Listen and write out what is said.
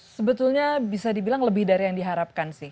sebetulnya bisa dibilang lebih dari yang diharapkan sih